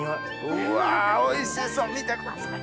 うわおいしそう見てください。